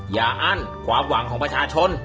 อั้นความหวังของประชาชน